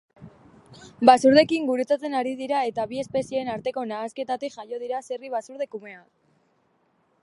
Basurdeekin gurutzatzen ari dira eta bi espezieen arteko nahasketatik jaio dira zerri-basurde kumeak.